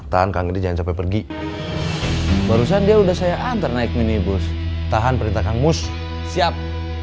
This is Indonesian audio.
tahan kang idris jangan sampai pergi barusan dia udah saya antar naik minibus tahan perintah kang mus siap